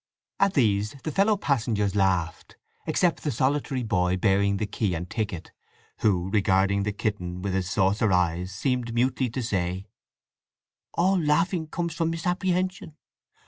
At these the fellow passengers laughed, except the solitary boy bearing the key and ticket, who, regarding the kitten with his saucer eyes, seemed mutely to say: "All laughing comes from misapprehension.